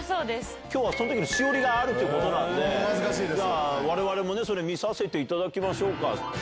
今日はその時のしおりがあるということなんで我々もそれ見させていただきましょうか。